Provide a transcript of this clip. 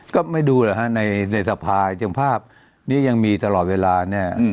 ก็ไม่ดูแล้วฮะในในสรรพาจังภาพนี้ยังมีตลอดเวลานี่อืม